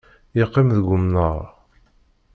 Yeqqim deg umnaṛ.